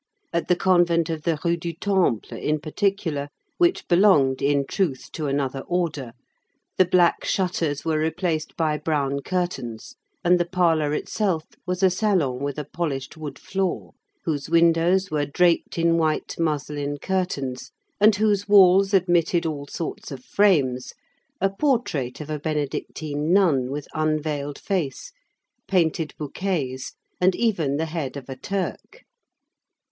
At the convent of the Rue du Temple, in particular, which belonged, in truth, to another order, the black shutters were replaced by brown curtains, and the parlor itself was a salon with a polished wood floor, whose windows were draped in white muslin curtains and whose walls admitted all sorts of frames, a portrait of a Benedictine nun with unveiled face, painted bouquets, and even the head of a Turk.